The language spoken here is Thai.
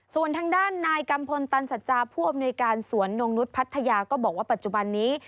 ส่วนทางด้านนายกัมพลตันสัจจาผู้อำนวยการสวนนงนุษย์พัทยาก็บอกว่าปัจจุบันนี้